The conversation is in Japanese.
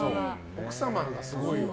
奥様がすごいわ。